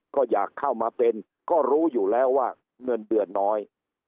ก็อยากเข้ามาเป็นก็รู้อยู่แล้วว่าเงินเดือนน้อย